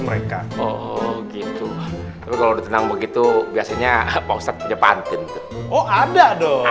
mereka oh gitu kalau tenang begitu biasanya maksudnya pangallian tuh oh ada